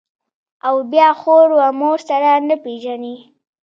او بيا خور و مور سره نه پېژني.